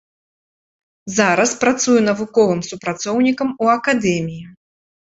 Зараз працуе навуковым супрацоўнікам у акадэміі.